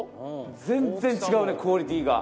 全然違うねクオリティーが。